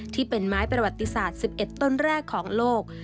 ที่เป็นไม้ประวัติศาสตร์๑๑ต้นแรกของโลก